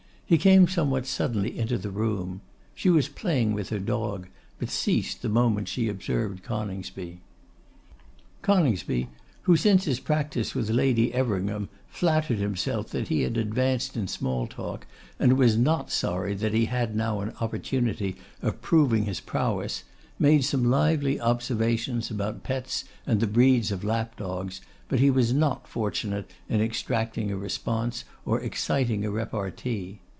He came somewhat suddenly into the room. She was playing with her dog, but ceased the moment she observed Coningsby. Coningsby, who since his practice with Lady Everingham, flattered himself that he had advanced in small talk, and was not sorry that he had now an opportunity of proving his prowess, made some lively observations about pets and the breeds of lapdogs, but he was not fortunate in extracting a response or exciting a repartee.